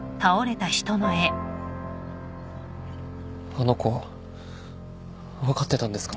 あの子は分かってたんですか？